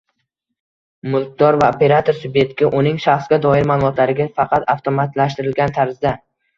Mulkdor va operator subyektga uning shaxsga doir ma’lumotlariga faqat avtomatlashtirilgan tarzda